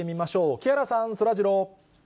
木原さん、そらジロー。